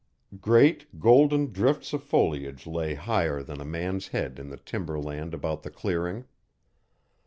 Great, golden drifts of foliage lay higher than a man's head in the timber land about the clearing.